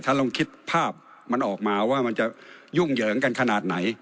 ลองคิดภาพมันออกมาว่ามันจะยุ่งเหยิงกันขนาดไหน